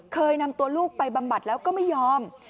เคยนำตัวลูกไปบำบัดแล้วก็ไม่ยอม